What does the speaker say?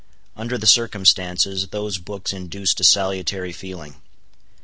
Under the circumstances, those books induced a salutary feeling.